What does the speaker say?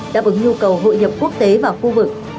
đáp ứng nhu cầu hội nhập quốc tế và khu vực